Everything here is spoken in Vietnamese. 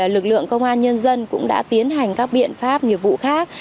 lực lượng công an nhân dân cũng đã tiến hành các biện pháp nghiệp vụ khác